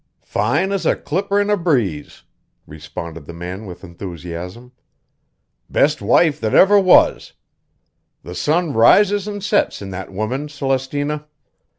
"Fine as a clipper in a breeze!" responded the man with enthusiasm. "Best wife that ever was! The sun rises an' sets in that woman, Celestina.